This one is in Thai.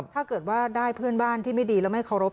ถ้าเกิดว่าได้เพื่อนบ้านที่ไม่ดีแล้วไม่เคารพ